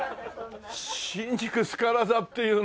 新宿スカラ座っていうのは。